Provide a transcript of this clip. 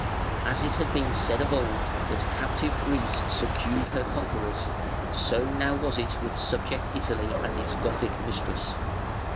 As it had been said of old that "Captive Greece subdued her conquerors", so now was it with subject Italy and its Gothic mistress.